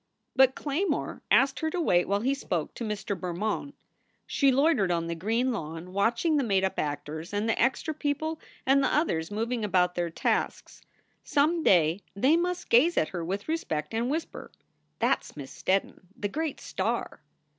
But Claymore asked her to wait while he spoke to Mr. Bermond. She loitered on the green lawn, watching the made up actors and the extra people and the others moving about their tasks. Some day they must gaze at her with respect and whisper, "That s Miss Steddon, the great star."